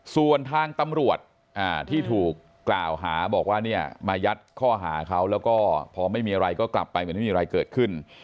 ส่วนทางตำรวจที่ถูกกล่าวหาบอกว่าเนี่ยมายัดข้อหาเขาแล้วก็พอไม่มีอะไรก็กลับไปเหมือนไม่มีอะไรเกิดขึ้น